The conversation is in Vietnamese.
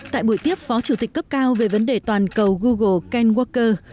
tại buổi tiếp phó chủ tịch cấp cao về vấn đề toàn cầu google ken waker